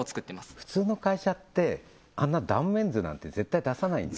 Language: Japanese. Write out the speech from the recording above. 普通の会社ってあんな断面図なんて絶対出さないんです